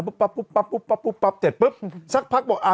ปั๊บปุ๊บปั๊บปุ๊บปั๊บปุ๊บปั๊บเสร็จปุ๊บสักพักบอกอ่า